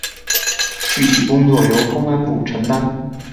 具体工作由公安部承担。